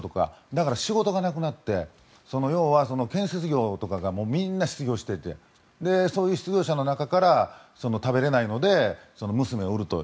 だから、仕事がなくなって要は建設業とかがみんな失業していてそういう失業者の中から食べれないので娘を売ると。